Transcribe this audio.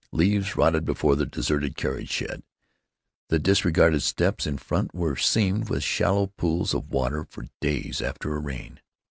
Leaves rotted before the deserted carriage shed. The disregarded steps in front were seamed with shallow pools of water for days after a rain.